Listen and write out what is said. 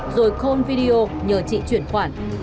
rồi call video nhờ chị chuyển khoản